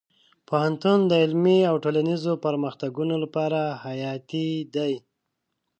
پوهنتون د علمي او ټولنیزو پرمختګونو لپاره حیاتي دی.